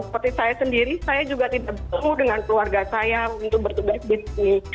seperti saya sendiri saya juga tidak perlu dengan keluarga saya untuk bertugas bisnis